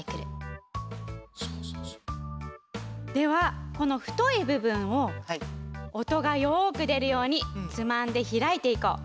ではこのふといぶぶんをおとがよくでるようにつまんでひらいていこう。